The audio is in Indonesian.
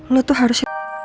lo tuh harus